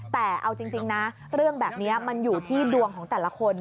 แต่เอาจริงนะเรื่องแบบนี้มันอยู่ที่ดวงของแต่ละคน